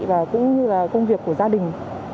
và cũng như là công việc của gia đình